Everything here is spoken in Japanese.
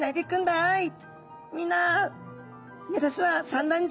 みんな目指すは産卵場だっと。